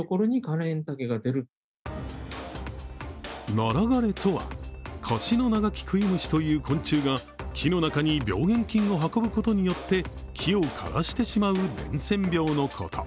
ナラ枯れとは、カシノナガキクイムシという昆虫が木の中に病原菌を運ぶことによって木を枯らしてしまう伝染病。